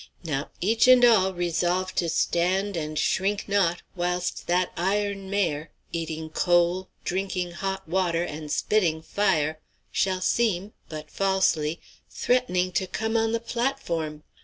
Now, each and all resolve to stand and shrink not whilst that iron mare, eating coal, drinking hot water, and spitting fire, shall seem, but falsely, threatening to come on the platform.